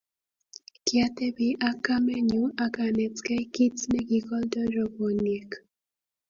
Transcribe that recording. kiatebi ak kamenyu ak anetkei kiit nekikoldoi robwoniek